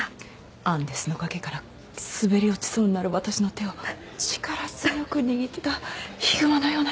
アンデスの崖から滑り落ちそうになる私の手を力強く握ったヒグマのような手。